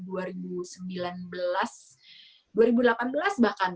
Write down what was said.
dari tahun dua ribu sembilan belas dua ribu delapan belas bahkan